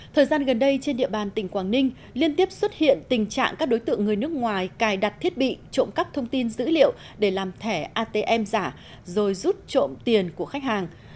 thời gian gần đây trên địa bàn tỉnh quảng ninh liên tiếp xuất hiện tình trạng các đối tượng người nước ngoài cài đặt thiết bị trộm cắp thông tin dữ liệu để làm thẻ atm giả rồi rút trộm tiền của khách hàng